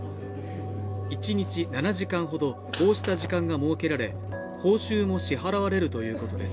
１日７時間ほどこうした時間が設けられ報酬も支払われるということです